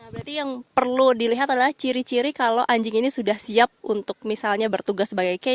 berarti yang perlu dilihat adalah ciri ciri kalau anjing ini sudah siap untuk misalnya bertugas sebagai k